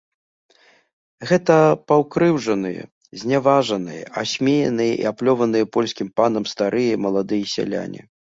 Гэта пакрыўджаныя, зняважаныя, асмеяныя і аплёваныя польскім панам старыя і маладыя сяляне.